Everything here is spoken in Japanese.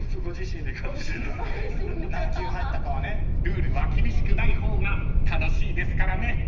［ルールは厳しくない方が楽しいですからね］